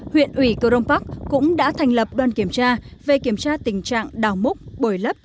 huyện ủy cơ rông pháp cũng đã thành lập đoàn kiểm tra về kiểm tra tình trạng đào múc bồi lấp